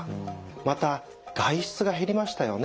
また外出が減りましたよね？